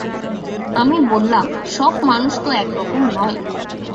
আমি বললাম, সব মানুষ তো এক রকম নয়।